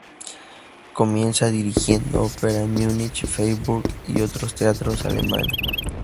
Comienza dirigiendo ópera en Múnich, Freiburg y otros teatros alemanes.